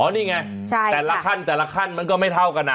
อ๋อนี่ไงแต่ละขั้นมันก็ไม่เท่ากันอ่ะ